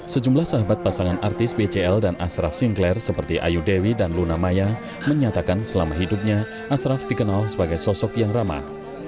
sejumlah sahabat pasangan artis bcl dan ashraf sinclair seperti ayu dewi dan luna maya menyatakan selama hidupnya asraf dikenal sebagai sosok yang ramah